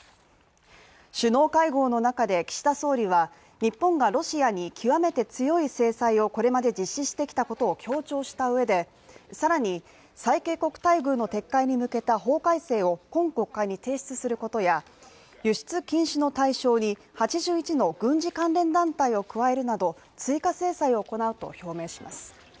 首脳会合の中で岸田総理は日本がロシアに極めて強い制裁をこれまで実施してきたことを強調したうえで、更に最恵国待遇の撤回に向けた法改正を今国会に提出することや輸出禁止の対象に８１の軍事関連団体を加えるなど、追加制裁を行うと表明します。